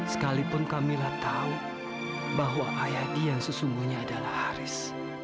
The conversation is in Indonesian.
sekalipun kamilah tahu bahwa ayah dia sesungguhnya adalah haris